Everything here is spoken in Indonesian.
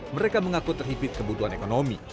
mereka mengaku terhibit kebutuhan ekonomi